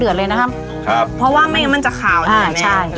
แกงเปาปลาเผ็ดขน